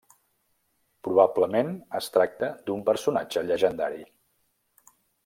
Probablement, es tracta d'un personatge llegendari.